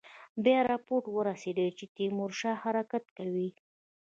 بیا رپوټ ورسېد چې تیمورشاه حرکت کوي.